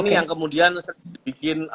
yang kemudian bikin